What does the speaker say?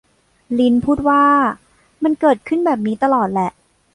ริ้นพูดว่า มันเกิดขึ้นแบบนี้ตลอดแหละ